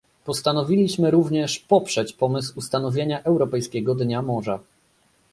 Postanowiliśmy również poprzeć pomysł ustanowienia Europejskiego Dnia Morza